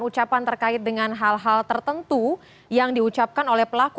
ada ucapan ucapan terkait dengan hal hal tertentu yang diucapkan oleh pelaku